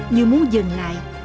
như muốn dừng lại